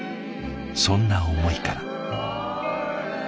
そんな思いから。